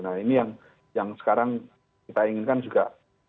nah ini yang sekarang kita inginkan juga